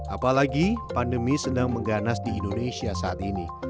apalagi pandemi sedang mengganas di indonesia saat ini